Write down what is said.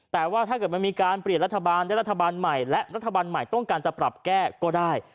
แต่ว่าถ้าเกิดมันมีการเปลี่ยนรัฐบาลได้รัฐบาลใหม่และรัฐบาลใหม่ต้องการจะปรับแก้ก็ได้